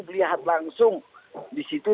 melihat langsung di situ